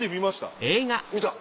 見た。